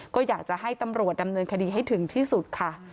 ก็อยากจะให้ตำรวจดำเนินคดีให้ถึงที่สุดค่ะ